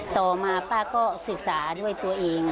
ต่อมาป้าก็ศึกษาด้วยตัวเอง